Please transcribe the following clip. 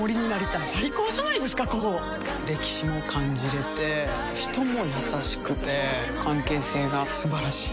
歴史も感じれて人も優しくて関係性が素晴らしい。